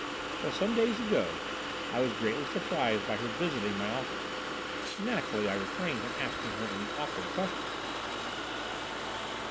"Well, some days ago, I was greatly surprised by her visiting my office. Naturally I refrained from asking her any awkward questions."